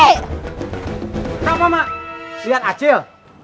kenapa mak lihat acil